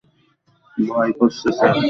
ভয় করছে, স্যার।